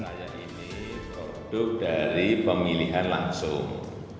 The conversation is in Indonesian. saya ini produk dari pemilihan langsung